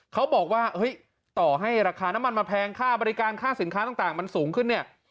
เขาบอกว่าเฮ้ยต่อให้ราคาน้ำมันมาแพงค่าบริการค่าสินค้าต่างมันสูงขึ้นเนี่ย